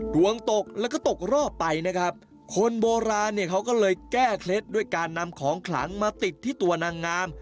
ดวงตกแล้วก็ตกรอบไปนะครับคนโบราณเนี่ยเขาก็เลยแก้เคล็ดด้วยการนำของขลังมาติดที่ตัวนางงาม